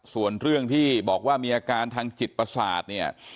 ส่วนเรื่องที่บอกว่ามีอาการทางจิตประสาทเนี่ย